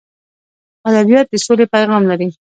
ادبیات د سولې پیغام لري.